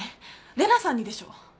玲奈さんにでしょ？